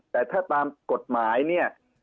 แต่ถ้าตามกฎหมายเนี่ย